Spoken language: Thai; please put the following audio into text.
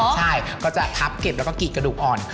ใช่ก็จะทับเก็บแล้วก็กรีดกระดูกอ่อน